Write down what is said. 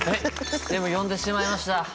でも呼んでしまいました。